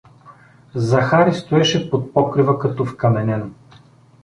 Захари стоеше под покрива като вкаменен.